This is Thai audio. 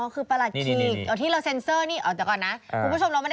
อ๋อคือประหลัดขิกอ๋อที่เราเซ็นเซอร์นี่อ๋อเดี๋ยวก่อนนะ